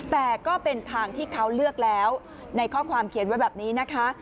แต่ก็เป็นทางที่เขาเลือกแล้วในข้อความเขียนไว้แบบนี้นะคะ